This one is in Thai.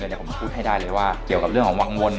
เดี๋ยวผมพูดให้ได้เลยว่าเกี่ยวกับเรื่องของวังวล